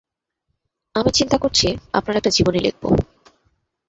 আমি চিন্তা করছি আপনার একটা জীবনী লিখব।